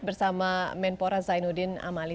bersama menpora zainuddin amali